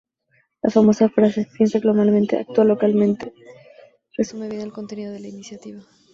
La famosa frase Piensa globalmente, actúa localmente resume bien el contenido de la Iniciativa.